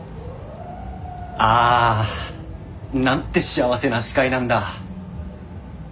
ああなんて幸せな視界なんだ。